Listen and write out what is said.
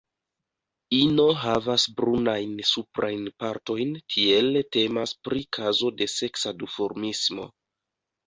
Ino havas brunajn suprajn partojn, tiele temas pri kazo de seksa duformismo.